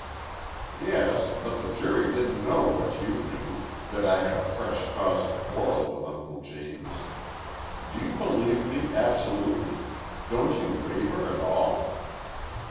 "Yes, but the jury didn't know what you knew, that I had a fresh cause of quarrel with Uncle James. Do you believe me absolutely? Don't you waver at all?"